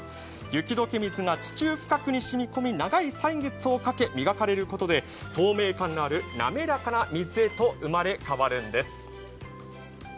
雪解け水が地中深くにしみこみ、長い歳月をかけ磨かれることによって透明感のある滑らかな水へと生まれ変わるんです。